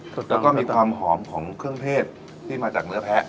แล้วก็มีความหอมของเครื่องเทศที่มาจากเนื้อแพะ